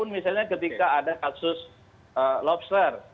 misalnya ketika ada kasus lobster